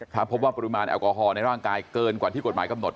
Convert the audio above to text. ถ้าพบว่าปริมาณแอลกอฮอลในร่างกายเกินกว่าที่กฎหมายกำหนด